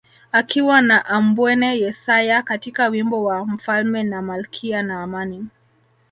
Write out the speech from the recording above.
Akiwa na Ambwene Yesaya katika wimbo wa mfalme na malkia na Amani